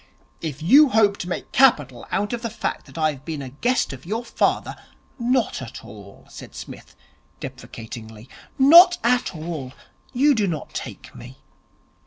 'If you hope to make capital out of the fact that I have been a guest of your father ' 'Not at all,' said Psmith deprecatingly. 'Not at all. You do not take me.